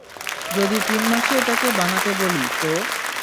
যদি তিন মাসে এটাকে বানাতে বলি, তো?